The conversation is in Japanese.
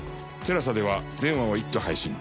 ＴＥＬＡＳＡでは全話を一挙配信。